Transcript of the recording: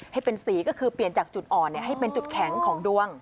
ให้เป็นสีก็คือเปลี่ยนจากจุดอ่อนให้เป็นจุดแข็งของดวง